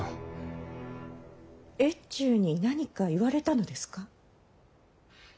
越中に何か言われたのですか？